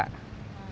mantau hp pak